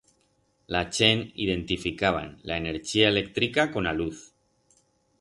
La chent identificaban la enerchía electrica con a luz.